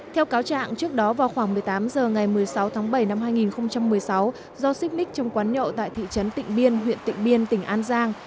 theo cáo trạng trước đó vào khoảng một mươi tám h ngày một mươi sáu tháng bảy năm hai nghìn một mươi sáu do xích mít trong quán nhậu tại thị trấn tịnh biên huyện tịnh biên tỉnh an giang